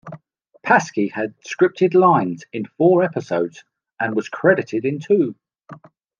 Paskey had scripted lines in four episodes and was credited in two.